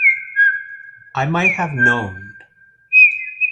I might have known.